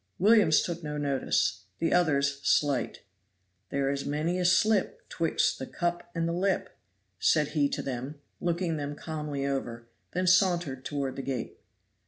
Williams took no notice. The others slight. "There is many a slip 'Twixt the cup and the lip," said he to them, looking them calmly over, then sauntered toward the gate.